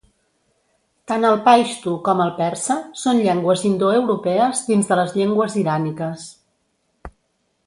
Tant el paixtu com el persa són llengües indoeuropees dins de les llengües iràniques.